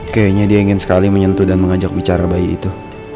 kayaknya dia ingin sekali menyentuh dan mengajak bicara bayi itu